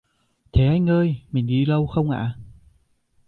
Thế anh ơi, mình đi lâu không ạ